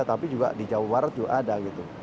tapi juga di jawa barat juga ada gitu